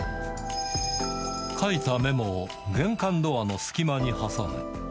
書いたメモを玄関ドアの隙間に挟む。